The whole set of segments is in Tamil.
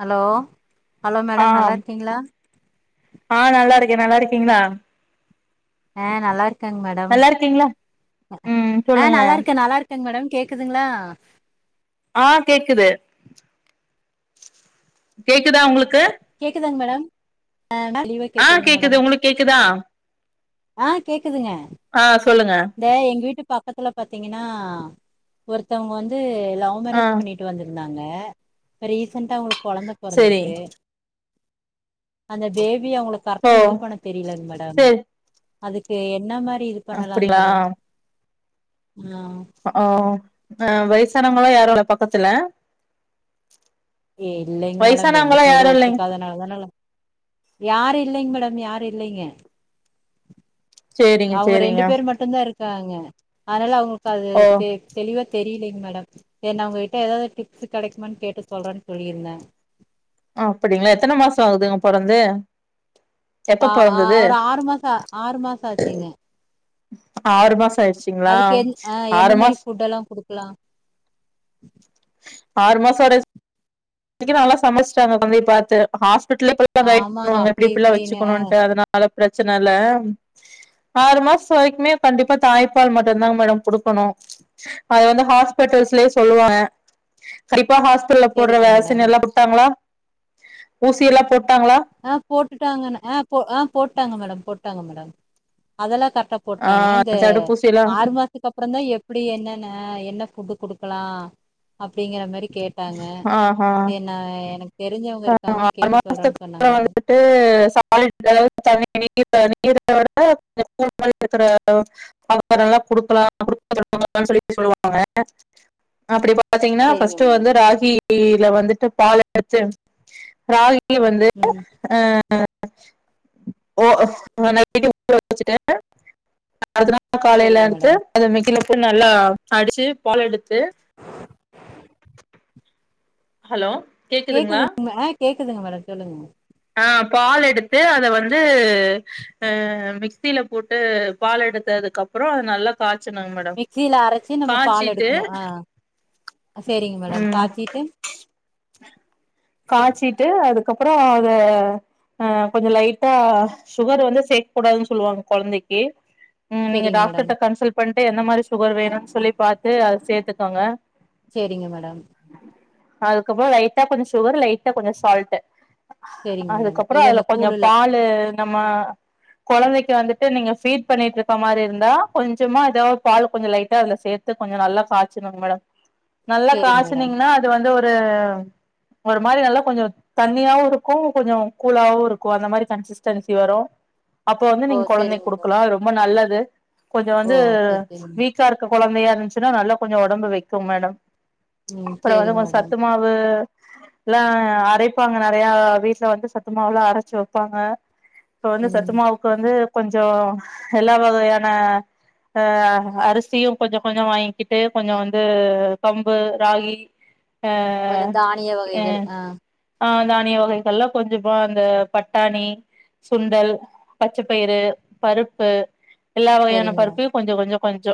ஹலோ ஹலோ ஆ மேடம் நல்லா ம் இருக்கீங்களா ஆ நல்லாருக் கே நல்லாருக்கீங்ளா? ஆ நல்லாருக் நல்லாருக்கிங்ளா ம் சொல்லுங்க கேங் மேடம் கேக்குதுங்ளா? ஆ கேக்குது கேக்குதா உங்ளுக்கு? கேக்குதாங் மேடம் ஆ தெளிவா ஆ கேக்குதுங் மேடம் கேக்குது உங்களுக்கு கேக்குதா ஆ கேக்குதுங்க ஆ சொல்லுங்க இந்த எங்க வீட்டு பக்கத்துல பாத்தீங்கன்னா ஒருத்தவுங்க வந்து லவ் ஆ மேரேஜ் பண்ணிட்டு வந்துரு ந்தாங்க இப்ப ரீசன்டா அவுங்களுக் கொழந்த செரி பொறந்துருக்கு அந்த பேபி அவுங்களுக் ஓ கரெட்டா இது பண்ண தெரிலங் மேடம் செரி அதுக்கு என்ன மா ரி இது பண்ணலாங் அப்டியா மேடம் ம் ஓ ஆ வயசானவங்களா யாரு இல்ல பக்கத்துல ஏ இல்லைங்க மேடம் ரெண்டு வயசானவங்களா சைடு யாரு இல்லைங் ஒத்துக்காதனால தானா ல யாரையு இல்லைங்க மேடம் யாரு இல்லைங்க சேரிங்க சேரிங்க காங்க அனால அவுங்க அது ஓ தெ தெளிவா தெரிலை மேடம் சேர் நா உங்ககிட்ட ஏதாது டிப்ஸு கடைக்குமான் கேட்டு சொல்றன் சொல்லிருந்தே அப்படிங்களா எத்தன மாசோ ஆகுதுங்க பொறந்து பா எப்ப ஆ பொறந்தது ஒரு ஆறு மாசோ ஆறு மாசோ ஆச்சீங்க ஆறு மாசோ ஆயிடுச்சிங்களா ஆறு மாச கொடுக்கலா ஆறு மாசோ வரையு இன்னிக்கி நல்லா சமச்சுட்டாங்க தந்தை பாத்து [unintelligible] கைட் ஆமாங்க பண்ணுவாங்க அப்டி எப்டெப்டிலா இப்டின்னு வச்சுக்கணும்ன்ட்டு அதனால பிரச்சன இல்ல ஆறு மாசோ வரைக்குமே கண்டிப்பா தாய்ப்பால் மட்டும்தாங்க மேடம் கொடுக்கணு அத வந்து ஹாஸ்பிட்டல்லே சொல்லுவாங்க இப்ப ஹாஸ்டல்ல போடுற சரிங்க வே த்து மேடம் நல்லா குட்தாங்களா ஊசி எல்லா போட்டாங்களா ஆ போட்டுட்டாங்கன்ன ஆ ஆ போட்டாங்க மேடம் போட்டாங்க மேடம் அதெல்லா கரிக் க்டா ஆ போட்டாங்க இந்த தடுப்பூசி எல்லா ஆறு மாசத்துக்கு அப்புற தா எப்டி என்னன்ன என்ன ஃபுட்டு குடுக்கலா அப்டிங்கற மாரி கேட்டாங்க ஆஹா என்னா எனக்கு தெரிஞ்சவங்க இருக்காங்க கேட்டு சொல்றேனு சொல் அப்புறம் வந்துட்டு சாலட்டு் அளவு தன்னி [unintelligible] [unintelligible] பாத்தீங்கன்னா சரிங்க ஃபர்ஸ்ட் மேடம் வந்து ராகி கீல வந்துட்டு பால் எடுத்து ராகி [unintelligible] ல வந்து ம் ஓ நா நைட்டே ஊர வச்சட்டே அதனால காலைல சரிங்க மேடம் எடுத்து அது மிக்சில நல்லா அடிச்சு பாலெடுத்து [inaudible] ஹலோ கேக்குதுங்களா கேக்குதுங்க ஆ கேக்குதுங்க மேடம் சொல்லுங்க மேடம் ஆ பால் எடுத்து அத வந்து அ மிக்சியில போட்டு பால் எடுத்ததுக்குப்புறோ அத நல்லா காச் மிக்சில அரச்சு நம்ம பால் எடுக்குணு ஆ சேரிங் மேடம் ம் பாத்திட்டு காய்ச்சிட்டு அதுக்கப்புறோ அத அ கொஞ்ச லைட்டா சுகர் வந்து சேர்க்கக்கூடாதுன்னு சொல்லுவாங்க குழந்தைக்கு உ நீங்க சேரிங்க மேடம் டாக்டர்ட கன்சல்ட் பண்ண டே எந்த மாரி சுகர் வேணுன் சொல்லி பாத்து அத சேத்துக்கோங்க சேரிங்க மேடம் அதுக்கப்புறோ ரைத்தா கொஞ் சுகர் லைட்டா கொஞ்சோ சால்ட்டு சேரிங்க மேடம் அதுக்கப்பறோ எது அதுல அந்த கொஞ்ச கூழுல பால்லு நம்ம கொழந்தைக்கு வந்துட் ட்டு நீங்க பீட் பண்ணிட்டு இருக்க மாரி இருந்தா கொஞ்சமா ஏதாவ் பால் கொஞ்ச லைட்டா அதுல சேத்து கொஞ்ச நல்லா காச்சணுங் மேடம் நல்லா சேரிங்க மேடம் காச்னீங்கனா அது வந்து ஒர் தேம் ஒரு மாரி நல்லா கொஞ்சோ தண்ணியாவு இருக்கு கொஞ்சோ கூலாவு இருக்கு அந்த மாரி கன்சிஸ்டன்சி வரு அப்ப வந்து ஓ நீங்க கொழந்தைக் சேரிங்க மேடம் குடுக்கலா ரொம்ப நல்லது ரு கொஞ்ச ஓ வந்து சேரி சேரிங்க வீக்கா இருக்கக் கொழந்தையா இருந்துச்சுனா நல்லா கொஞ்சோ ஒடம்பு வொக்குங் மேடம் ம் அப்பறோ வந்து சேரிங்க கொஞ்சோ மேடம் சத்துமாவு எல்லா அரைப்பாங்க நெறைய வீட்ல வந்து சத்தமவுலா அரச்சு வெப்பாங்க இப்ப வந்து ம் சத்துமாவுக்கு வந்து கொஞ்சோ எல்லா வகையான அ அரிசியு கொஞ்சோ கொஞ்சோ வாங்கி கிட்டு கொஞ்சோ ஆ வந்து கம்பு ராகி ஆ கொஞ்சோ தானிய எ வகைகள் ஆ ஆ அதான் நீ இவ்ல இதல்லா கொஞ்ச வா இந்த வாங்க பட்டாணி சுண்டல் பச்சபயிறு பருப்பு எல்லா வகையான சேரிங்க மேடம் பருப்பியு கொஞ்சோ கொஞ்சோ கொஞ்சோ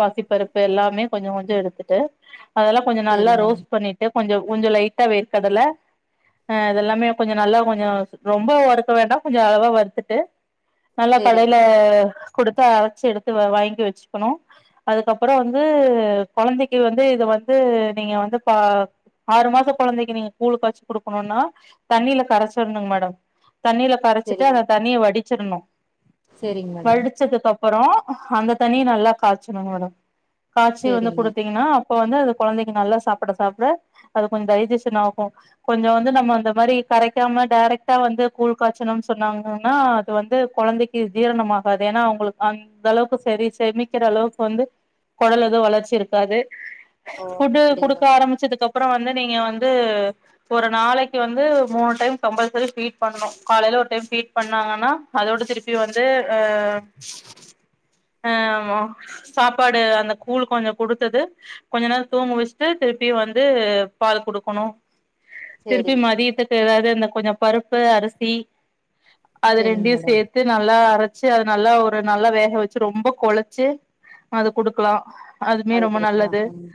பாசி பருப்பு எல்லாமே கொஞ்சோ கொஞ்சோ எடுத்துட்டு அதெல்லா கொஞ்சோ நல்லா சேரிங்க ரோஸ்ட் மேம் பண்ணிட்டு கொஞ்சோ உஞ்சலை ட்ட வேர் கடல அ இதெல்லாமே கொஞ்சோ நல்லா கொஞ்சோ ரொம்ப வறுக்க வேண்டா கொஞ்சோ அளவா வறுதுட்டு நல்லா சேரிங்க கடையில குடுத்து அரச்சு எடுத்து வாங்கி வெச்சுக்கணு அதுக்கப்பறோ வந்து கொழந்தைக்கி வந்து இது வறுத்து நீங்க வந்து பா ஆறு மாசோ கொழந்தக்கி நீங்க கூழு காச்சி குடுக்கணுன்னா தண்ணில கரச்சுர்னுங் மேடம் தண்ணில கரச்சுட்டு சேரிங்க அந்த தண்ணிய வடி ச்சிர்ணு சேரிங்க மேடம் வடுச்சது ப அப்பறோ அந்த தண்ணிய நல்லா காச்ச்னுங் மேடம் காச்சி வந்து சேரிங்க குடுத்தீங்கனா அ ப்ப வந்து அந்த கொழந்தக்கி நல்லா சாப்புட சாப்ட அது கொஞ்ச டை டிஷன் ஆகு கொஞ்சொ வந்து நம்ம அந்த மாரி கரைக்காம டேரெக்டா வந்து கூழ் காச்சுனம் சொன்னாங்கன்னா அது வந்து கொழந்தக்கி ஜீரணம் ஆகாது ஏனா அவுங்ளுக் அந்தளவுக்கு சொரி செமிக்கிற அளவுக்கு வந்து கொடல் எது வளர்ச்சி இருக்காது ஓ ஃபுட்டு் குடுக்க அப்டிங்களா ஆரமிச்சதுக்க ப்புறொ வந்து நீங்க வந் ந்து ஒரு நாளக்கி வந்து மூணு டைம் கம்பள்சரி ஃபீட் பண்ணு காலைல ஒரு டைம் ஃபீட் பண்ணாங்கனா அதோட திருப்பி வந்து ஆ அ சாப்பாடு அந்த கூழ் கொஞ்சொ குடுத்தது கொஞ்ச நேர தூங்க வச்சுட்டு திருப்பி வந்து பால் குடு க்குணு திருப்பி சேரிங்க மேடம் மதியத்துக்கு எதாது அந்த கொஞ்ச பருப்பு அரிசி அது சேரிங்க ரெண்டையு மேடம் சேத்து நல்லா அர ச்சு அது நல்லா ஒரு நல்லா வேக வச்சு ரொம்ப கொழச்சு அத குடுக்லா அதுமே அது ரொம்ப குடுக்கலா நல்லது ம்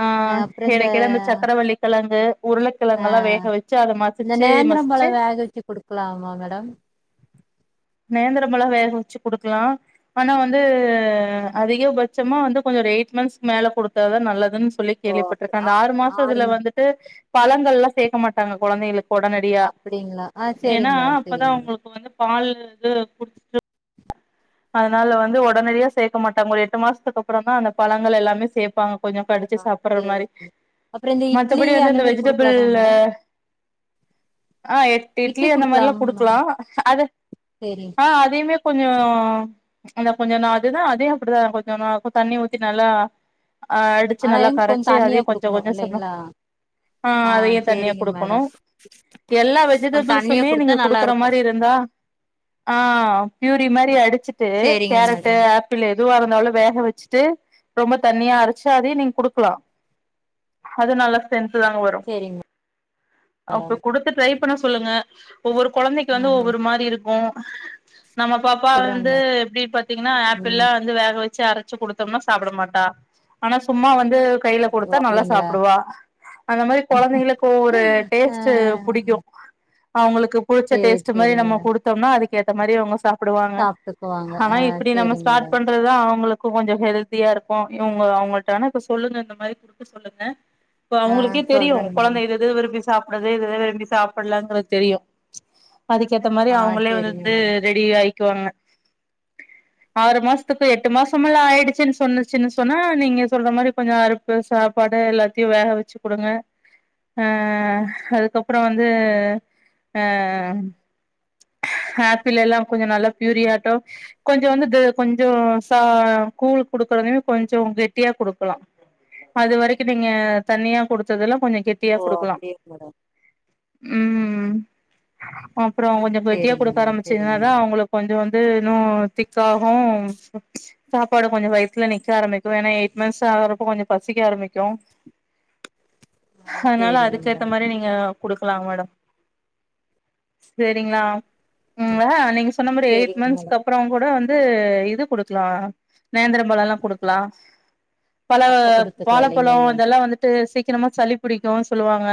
ஆ அப்றோ இந்த எடைக்கெட அந்த சக்கரவள்ளி கெழங்கு உருளக்கெழங்கல்லா வேக வச்சு அத இந்த மசுச்சு நேந்திரம் மசுச்சு பழோ வேக வச்சு குடுக்கலாமா மேடம் நேந்திரமெல்லா வேக வச்சு குடுக்லா ஆனா வந்து அதிகபட்சமா வந்து கொஞ்சொ ஒரு எயிட் மன்ஸ் மேல குடுத்தா தா நல்லதுன் சொல்லி ஓ அப் கேள்விப்பட்ருக்கெ அந்த ஆ ஆறு மாசதுல வந்து பழங்கள்லா சேக்க மாட்டாங்க கொழந்தைகளுக் ஒடனடியா அப்டிங்களா ஆ ஏனா சேரிங்க மேடம் அப்பதா சேரிங்க மேடம் அவுங்களுக்கு வந்து பால் இது [unintelligible] அதுனால வந்து ஒடனடியா சேக்க மாட்டாங்க ஒரு எட்டு மாசத்துக்கப்றந்தா அந்த பழங்கள் எல்லாமே சேப்பாங்க கொஞ்சொ கடுச்சு சாப்புர்ற மாரி சேரிங்க அப்றோ இந்த இட்லி மத்தபடி வந்து அந்த இந்த மாரி குடுக்கலாமா வெஜிடபிள்ல மேடம் ஆ எட் இட்லி அந்த மாரிலா குடுக்லா அது சேரிங் ஆ அதையுமே கொஞ்சோ அந்த கொஞ்ச நா அதுதா அதையு அப்டிதா கொஞ்சொ நா தண்ணி ஊத்தி நல்லா அ அடுச்சு ஆனா நல்லா எங் கொஞ்ச கரச்சு தண்ணியா அதையு கொஞ்சொ குடுக்கணு கொஞ்சொ சம இல்லைங்களா ஆ அதையு தண்ணியா சேரிங்க குடுக்கணு மேடம் எல்லா கொஞ்ச தண்ணியா வெஜிடபிள்ஸுமே குடுத்தா நீங்க நல்லா குடுக்குற இருக்கு மாரி இருந்தா ஆ ப்யூரி மாரி அடுச்சு ட்டு சேரிங்க கேரட்டு மேடம் ஆப்பிள் எ துவா இருந்தாலு வேக வச்சுட்டு ரொம்ப தண்ணியா அரச்சு அதையு நீங் குடுக்கலா அது நல்ல சென் த்துதாங்க வரு சேரிங்க அப்ப குடுத்து ட்ரை பண்ண சொல்லுங்க ஒவ்வொரு கொழந்தைக்கு வந்து ஆஹா ஒவ்வொரு மாரி இருக் ஆ நம்ம பாப்பா ந்து சொல்றாங்களா எப்டி பாத்தீங்கனா ஆப்பிள்ல்லா ம் வந்து வேக வச் மிக்சில அரச்சு குடுத்தம்னா சாப்ட மாட்டா ஆனா சும்மா வந் கையில ஓ கொடுத்தா நல்லா அப்டிங்களா சாப்டுவா அந்த மாரி கொழந்தைங்களுக்கு ஒரு ஆ டேஸ்ட் புடிக்கு அவுங்களுக் புடிச்ச சேரி டேஸ்ட் மாரி சேரிங்க நம்ம மேடம் குடுத்தம்னா அதுக் ஏத்த மாரி அவுங்க சாப்டுவாங் சாப்ட்டுக்குவாங்க ஆனா ஆ இப்டி நம்ம சேரிங்க ஸ்டாட் மேடம் பண்றதுதா அவுங்க கொஞ்ச ஹெல்தியா இருக்கோ இவுங்க அவுங்கள்ட்ட ஆனா இப்ப சொல்லுங்க இந்த மாரி குடிக்க சொல்லுங்க இப்ப ஆ அவுங்களுக்கே தெரியு சொல்றேங்க மேடம் கொழந்த இத இத விரும்பி சாப்டறது இதல்லா விரும்பி சாப்பிடலாங்கிறது தெரியு அதுக்கேத்த மாரி ஆ அவுங்களே சேரிங்க வந்து மேடம் ரெடி ஆயி திட்டுவாங்க ஆறு மாசத்துக்கு எட்டு மாசமலா ஆயிடுச்சுன் சொன்னுச்சுன்னு சொன்னா நீங்க சொல்ற மாரி கொஞ்ச அறுப்பு சாப்பாடு எல்லாத்தையு வேக வெச்சு குடுங்க அ அதுக்கப்றோ வந்து அ... ஆப்பிள் எல்லா கொஞ்ச நல்லா பியூரி ஆட்டோ கொஞ்சோ வந்து கொஞ்சோ ச கூழ் குடுக்குறதுமே கொஞ்சோ கெட்டியா குடுக்கலா அது வரைக்கு நீங்க தண்ணியா குடுத்ததெல்லா கொஞ்ச கெட்டியா ஓ குடுக்கலா அப்டியா மேடம் உம் உம் அப்றோ கெட்டியா சேரிங்க குடுக்க மேடம் சேரிங்க ஆரம்பிச்சிங்கன தா மேடம் அவுங்களுக்கு கொஞ்ச வந்து வந்து இன்னு திக்காகு சாப்பாடு கொஞ்ச வயித்துல நிக்க ஆரம்பிக்கு ஏன்னா எயிட் மந்த்ஸ் ஆகுறப்ப கொஞ்ச பசிக்க ஆரம்பிக்கு ஆ அதனால சேரிங்க அதுக்கேத்த மேடம் மாரி நீங்க குடுக்கலாம் மேடம் சேரிங்ளா உம் ஆ நீங்க சொன்ன மாரி எயிட் சேரிங்க மேடம் மந்த்ஸ் அப்ற கூட வந்து வந்து இது குடுக்கலா நேந்திர பழ எல்லா குடுக்கலா பழ அப்ப குடுத்துக்கலா வாழப்பழோ இல்லைங்களா இதெல்லா வந்துட்டு சீக்கிரமா சளி பிடிக்கு சொல்லுவாங்க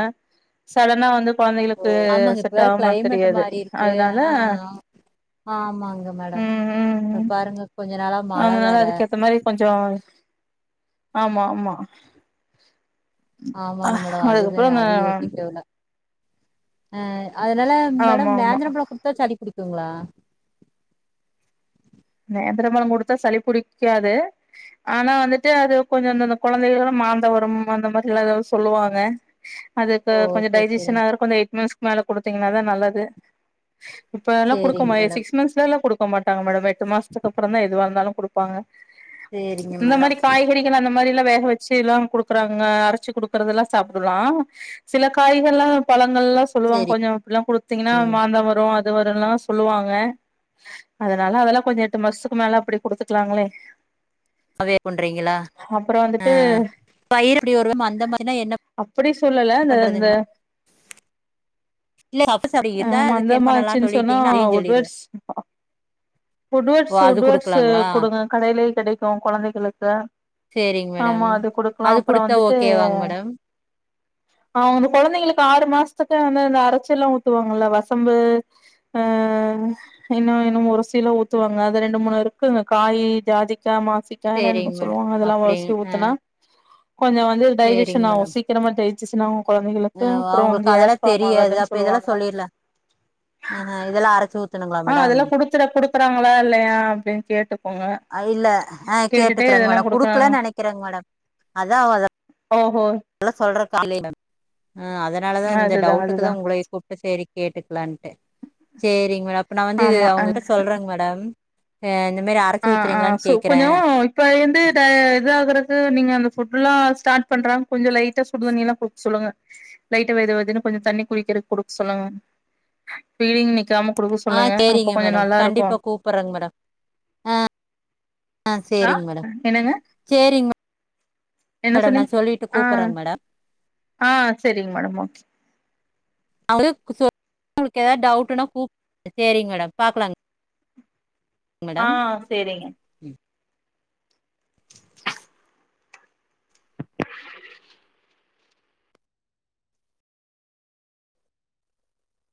சோ அதனா வந்து ஓ கொழந்தைங்களுக்கு ஆமாங்க இப்ப செட் வேற ஆகுமானு கிளைமேட் தெரியாது மாறி ஆ அதனால ஆனா ஆமாங்க மேடம் ம் ம் இப்ப ம் பாருங்க கொஞ்ச நாளா மழ வேற கொஞ்சம் ஆமா ஆமா ஆமாங்க மேடம் அது தா அதுக்கப்புறோ அந்த அது யோசிக்கல அ அதனால ஆமா மேடம் ஆமா நேந்திரம் பழ குடுத்தா சளி புடிக் கும்ங்களா நேந்திர பழம் குடுத்தா சளி புடிக்காது ஆனா வந்துட்டு அது கொஞ்சம் இந்தந்த குழந்தைகள் எல்லா மாந்தம் வரும் அந்த மாதிரி எல்லா ஏதாது சொல்லுவாங்க அதுக்கு ஓ கொஞ்சம் சரி டைஜெஷன் சரிங்க ஆகுற கொஞ்சம் [unintelligible] மேல குடுத்தீங்கன்னா தா நல்லது இப்பெல்லா சரிங்க குடுக்கமா மேடம் சிக்ஸ் மந்த்ஸ்ல எல்லா குடுக் போமாட்டாங்க [unintelligible] டு மாசத்துக்கு அப்றோ தா எதுவா இருந்தாலு குடுப்பாங்க சரிங்க இந்த மாதிரி மேடம் காய்கறிகள் அந்த இந்த மாரி எல்லா வேக வச்சு எல்லா குடுக்கறாங்க அரைச்சு குடுக்கறதெல்லா சாப்பிடலாம் சில காய்கள் எல்லா பழம் என்னல்லா சொல்லுவங்க சரிங்க கொஞ்ச அப்டி எல்லா குடுத்தீங்கன்னா மாந்தம் வரும் அ [unintelligible] சொல்லுவாங்க அதனால அதெல்லா கொஞ்சம் எட்டு மாசத்துக்கு மேல அப்டி குடுத்துக்கலாங்களே அதுவே பண்றீங்களா அப்புறோ ஆ வந்துட்டு [unintelligible] அந்த மாரினா என்ன அப்டி சொல்லல இந்த பண்றதுங் மேம் ஆ மந்தம் ஆச்சுன்னு சொன்னா சொல்லிட்டீங்கன்னா அதையும் சொல்லிருவேன் உட்வர்ட்ஸ் தா ஓ உட்வேர்ட்ஸ் அது உட்வேர்ட்ஸ் குடுக்கலாங்களா குடுங்க கடையில கடைக்கும் கொழந்தைகளுக்கு சரிங்க ஆமா மேடம் அது குடுக்கலா அது அப்றோ குடுத்தா வந்துட்டு ஓகேவாங்க மேடம் அங்க கொழந்தைங்களுக்கு ஆறு மாசத்துக்கு வந்து அந்த அரைச்ச எல்லா ஊத்துவாங்கல்ல வசம்பு அ இன்னும் இன்னும் ஒரு ஊத்துவாங்க அது ரெண்டு மூணு இருக்கு காய் ஜாதிக் மாசிக்காய் எல்லா என்னென்னமோ சரிங்க மேடம் சொல்லுவாங்க அதெல்லா உரசி அப்படிங்க ஆ ஊத்துனா கொஞ்சம் வந்து சேரிங்க டைஜிஷன் ஆகும் மேடம் சீக்கிரமா டைஜிசன் ஆகும் அ குழந்தைகளுக்கு அப்புறம் அவங்களுக்கு அவங்க அதெல்லா கேஸ் ஃபாம் தெரியாது ஆகாதுன்னு அப்ப இதெல்லா சொல்லுவாங்க சொல்லிர்லா ஆஹ இதெல்லா அரச்சு ஊத்தணுங்களா ஆ மேடம் அதெல்லா குடுத்து குடுக்குறாங்களா இல்லையா அப்டின்னு கேட்டுக்கோங்க அ இல்ல ஆ கேட்டுட்டு கேட்டுக்கறேங்க இதெல்லாம் மேடம் குடுக்குறாங்க குடுக்கலன்னு நெனைக்கிறேங்க மேடம் ஓஹோ காலையில ஆ அதனால தா இந்த அதுதா டவுட்டுக்கு தா அதுதா உங்கள கூப்ட்டேன் சேரி கேட்டுக்கு லான்ட்டு செரிங்க மேடம் அப்ப நா வந்து இது ஆமா அ அவங்க சொல்றேங்க மேடம் ஹே ஆ ஆ சோ கொஞ்சோ இப்ப லேந்து த இதாகுறது நீங்க அந்த ஃபுல்லா ஸ்டார்ட் பண்றாங்க கொஞ்ச லைட்டா சுடு தண்ணிய எல்லா கொடுக்க சொல்லுங்க லைட்டா வெது வெதுன்னு கொஞ்சோ தண்ணி குடிக்கிறதுக்கு கொடுக்க சொல்லுங்க ஃபீடிங் நிக்காம குடுக்க ஆ சொல்லுங்க அப்ப செரிங்க கொஞ்சோ மேடம் நல்லா இருக்கு கண்டிப்பா கூப்பிடுறேங்க மேடம் ஆ ஆ சேரிங்க மேடம் என்னங்க சேரிங்க என்ன மேடம் நா சொன்னீங்க சொல்லிட்டு ஆ கூப்பட்றேங்க மேடம் ஆ செரிங்க மேடம் ஓகே அவ ஏதாவ டவுட்னா கூப் செரி மேடம் பாக்கலாங்க ஆ மேடம் செரிங்க ம்.